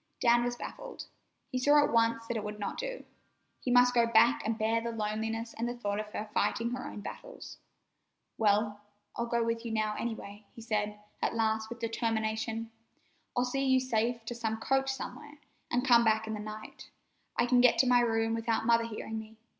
Dan was baffled. He saw at once that it would not do. He must go back and bear the loneliness and the thought of her fighting her own battles. "Well, I'll go with you now, any way," he said at last, with determination. "I'll see you safe to some coach somewhere, an' come back in the night. I can get to my room without Mother hearing me.